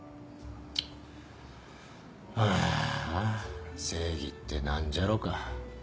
あーあ正義って何じゃろか。